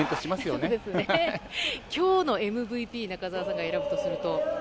今日のＭＶＰを中澤さんが、選ぶとすると？